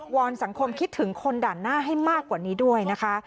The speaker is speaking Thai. อนสังคมคิดถึงคนด่านหน้าให้มากกว่านี้ด้วยนะคะ